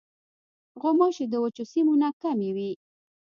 غوماشې د وچو سیمو نه کمې وي.